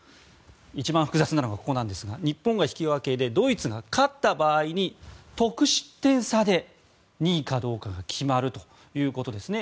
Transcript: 一番複雑なのが日本が引き分けでドイツが勝った場合に得失点差で２位かどうかが決まるということですね。